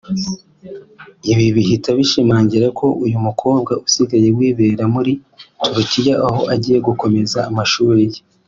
ibi bihita bishimangira ko uyu mukobwa usigaye wibera muri Turikiya aho yagiye gukomeza amashuri ye